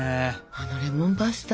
あのレモンパスタ。